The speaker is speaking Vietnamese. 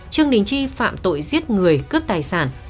trương đình chi phạm tội giết người cướp tài sản